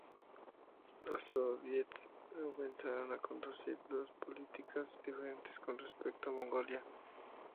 Los Sóviets comenzaron a conducir dos políticas diferentes con respecto a Mongolia.